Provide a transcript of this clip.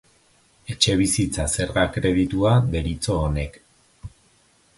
Etxebizitza Zerga Kreditua deritzo honek.